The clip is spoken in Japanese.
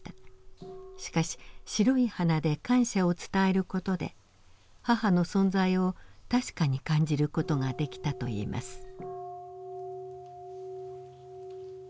しかし白い花で感謝を伝える事で母の存在を確かに感じる事ができたといいます。